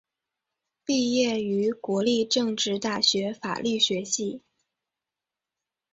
毕业于国立政治大学法律学系。